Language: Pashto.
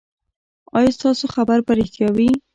ایا ستاسو خبر به ریښتیا وي؟